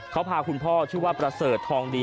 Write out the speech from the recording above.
เขาพาคุณพ่อชื่อว่าประเสริฐทองดี